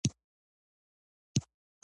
آیا د کاناډا ډالر د دوی پولي واحد نه دی؟